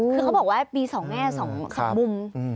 คือเขาบอกว่ามี๒แม่๒มุม